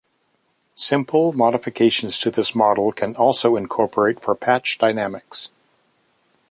Simple modifications to this model can also incorporate for patch dynamics.